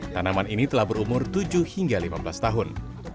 tanaman ini telah berumur tujuh hingga lima belas tahun